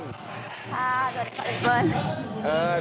ค่ะสวัสดีค่ะพี่เปิ้ล